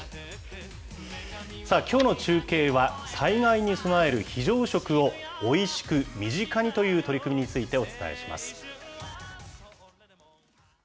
きょうの中継は、災害に備える非常食を、おいしく身近にという取り組みについてお伝えします。